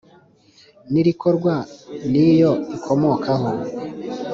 N irikorwa n iyo ikomokaho